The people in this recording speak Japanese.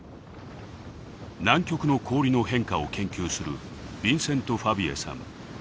南極の氷の変化を研究するヴィンセント・ファヴィエさん。